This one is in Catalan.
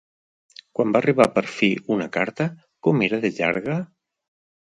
Quan va arribar per fi una carta, com era de llarga?